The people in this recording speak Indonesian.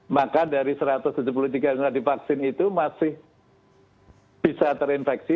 maka dari satu ratus tujuh puluh tiga yang sudah divaksin itu masih bisa terinfeksi